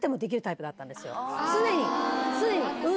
常に。